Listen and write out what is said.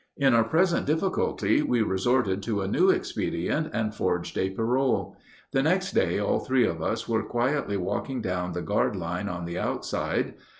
In our present difficulty we resorted to a new expedient and forged a parole. The next day all three of us were quietly walking down the guard line on the outside.